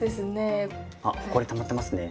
あほこりたまってますね。